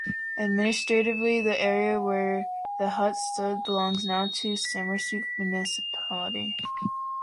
Administratively the area were the hut stood belongs now to the Sermersooq municipality.